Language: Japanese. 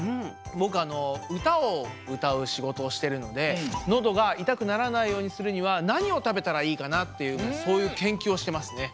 ぼくあのうたをうたうしごとをしてるのでのどがいたくならないようにするにはなにをたべたらいいかなっていうそういうけんきゅうをしてますね。